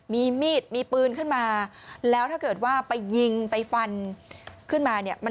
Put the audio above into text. มีมีดมีปืนขึ้นมาแล้วถ้าเกิดว่าไปยิงไปฟันขึ้นมาเนี่ย